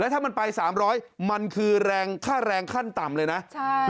แล้วถ้ามันไปสามร้อยมันคือแรงค่าแรงขั้นต่ำเลยนะใช่